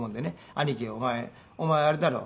「兄貴お前あれだろ」